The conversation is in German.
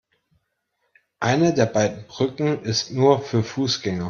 Eine der beiden Brücken ist nur für Fußgänger.